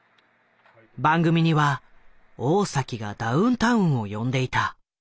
番組には大がダウンタウンを呼んでいた。